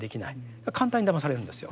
だから簡単にだまされるんですよ。